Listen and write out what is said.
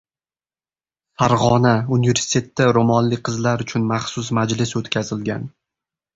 Farg‘ona: universitetda ro‘molli qizlar uchun “maxsus” majlis o‘tkazilgan